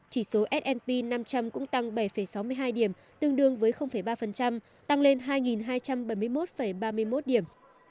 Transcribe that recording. chỉ số s p năm trăm linh cũng tăng bảy sáu mươi hai điểm tương đương với ba tăng lên hai hai trăm bảy mươi một ba mươi một điểm